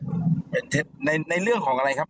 พระอุปชาเป็นเท็จเป็นเท็จในเรื่องของอะไรครับ